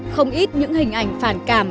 không ít những hình ảnh phản cảm